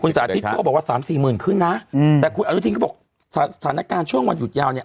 สาธิตเขาก็บอกว่าสามสี่หมื่นขึ้นนะแต่คุณอนุทินก็บอกสถานการณ์ช่วงวันหยุดยาวเนี่ย